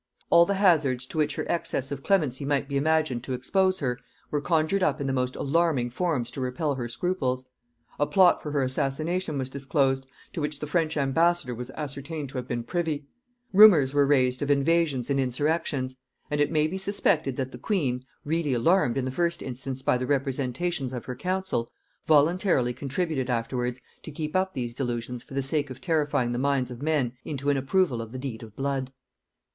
All the hazards to which her excess of clemency might be imagined to expose her, were conjured up in the most alarming forms to repel her scruples. A plot for her assassination was disclosed, to which the French ambassador was ascertained to have been privy; rumors were raised of invasions and insurrections; and it may be suspected that the queen, really alarmed in the first instance by the representations of her council, voluntarily contributed afterwards to keep up these delusions for the sake of terrifying the minds of men into an approval of the deed of blood.